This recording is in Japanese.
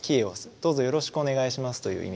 どうぞよろしくお願いしますという意味なんですね。